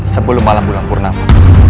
sebelum malam bulan purnamu